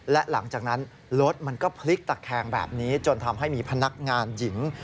และหลังจากนั้นรถมันก็พลิกตะแคงแบบนี้จนทำให้มีพนักงานหญิง